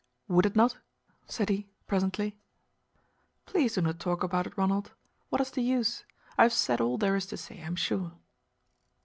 "Would it not?" said he presently. "Please do not talk about it, Ronald. What is the use? I have said all there is to say, I am sure."